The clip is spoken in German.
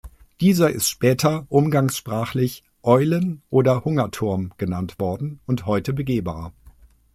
Dieser ist später umgangssprachlich „Eulen- oder Hungerturm“ genannt worden und heute begehbar.